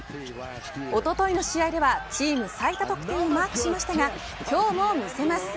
おとといの試合ではチーム最多得点をマークしましたが今日も見せます。